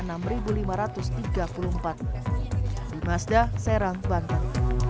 di masda serang bantan